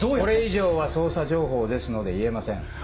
これ以上は捜査情報ですので言えません。